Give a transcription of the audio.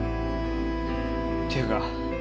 っていうか